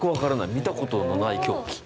見たことのない競技。